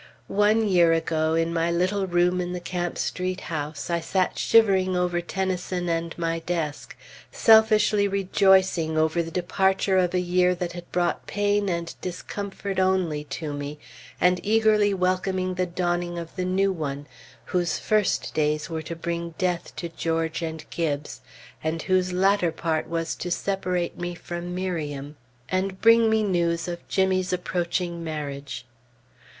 One year ago, in my little room in the Camp Street house, I sat shivering over Tennyson and my desk, selfishly rejoicing over the departure of a year that had brought pain and discomfort only to me, and eagerly welcoming the dawning of the New One whose first days were to bring death to George and Gibbes, and whose latter part was to separate me from Miriam, and brings me news of Jimmy's approaching marriage.